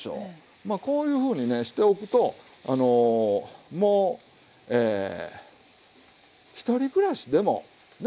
まあこういうふうにねしておくともうえ１人暮らしでもね。